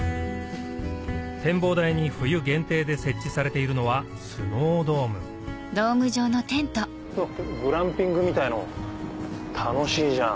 展望台に冬限定で設置されているのはグランピングみたいの楽しいじゃん。